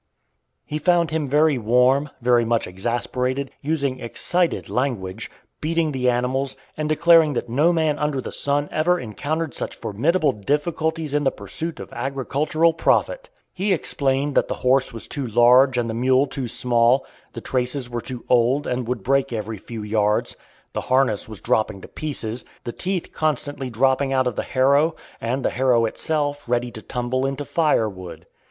He found him very warm, very much exasperated, using excited language, beating the animals, and declaring that no man under the sun ever encountered such formidable difficulties in the pursuit of agricultural profit. He explained that the horse was too large and the mule too small; the traces were too old, and would break every few yards; the harness was dropping to pieces; the teeth constantly dropping out of the harrow; and the harrow itself ready to tumble into firewood.